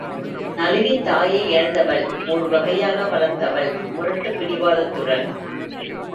நளினி தாயை இழந்தவள் ஒரு வகையாக வளர்ந்தவள், முரட்டுப் பிடிவாதத்துடன்!